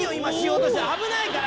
危ないから！